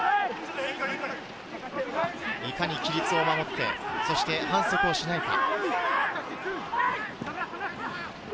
いかに規律を守って反則をしないか。